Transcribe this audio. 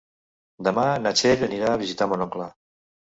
Demà na Txell anirà a visitar mon oncle.